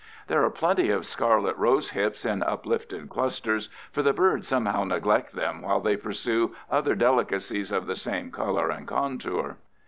There are plenty of scarlet rose hips in uplifted clusters, for the birds somehow neglect them while they pursue other delicacies of the same color and contour.